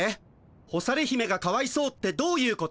干され姫がかわいそうってどういうこと？